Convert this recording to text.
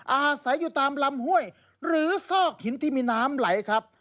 อาศัยอยู่ตามลำห้วยหรือซอกหินที่มีน้ำไหลครับ